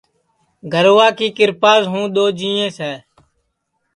گَروا کی کِرپاس ہوں بھی دؔوجینٚیس ہے